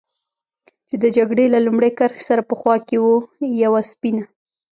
چې د جګړې له لومړۍ کرښې سره په خوا کې و، یوه سپینه.